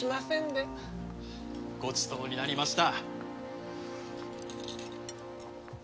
ごちそうになりました。